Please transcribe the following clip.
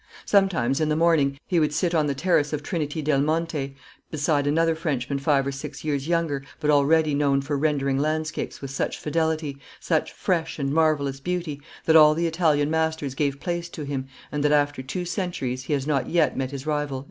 Sometimes, in the morning, he would sit on the terrace of Trinity del Monte, beside another Frenchman five or six years younger, but already known for rendering landscapes with such fidelity, such, fresh and marvellous beauty, that all the Italian masters gave place to him, and that, after two centuries, he has not yet met his rival."